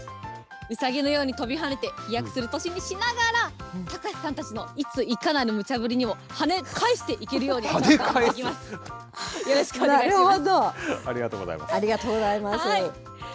うさぎのように跳びはねて、飛躍する年にしながら、高瀬さんたちの、いついかなるむちゃぶりにも、はね返していけるようにしていきまはね返す？